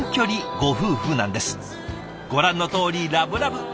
ご覧のとおりラブラブ。